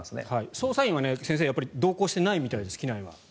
捜査員は同行してないみたいです機内は。